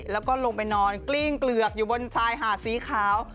แล้วก็ลงไปนอนกลิ้งเกลือบอยู่บนชายหาดสีขาว